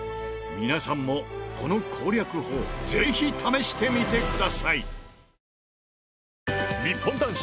皆さんもこの攻略法ぜひ試してみてください。